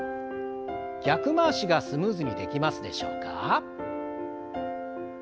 逆回しがスムーズにできますでしょうか？